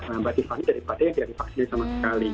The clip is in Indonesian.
nah berarti vani berarti dia divaksinasi sama sekali